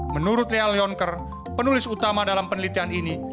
menurut lea leonker penulis utama dalam penelitian ini